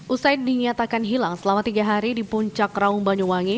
usai dinyatakan hilang selama tiga hari di puncak raung banyuwangi